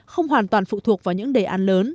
không hoàn toàn phụ thuộc vào những đề án lớn